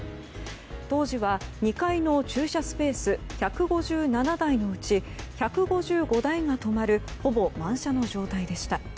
当時は、２階の駐車スペース１５７台のうち１５５台が止まるほぼ満車の状態でした。